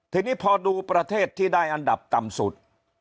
ทีนี้พอดูประเทศที่ได้อันดับต่ำสุด